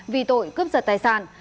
vì tội cướp giật tài sản